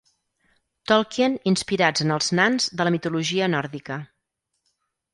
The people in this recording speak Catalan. Tolkien inspirats en els nans de la mitologia nòrdica.